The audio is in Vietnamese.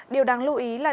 điều đáng nhớ là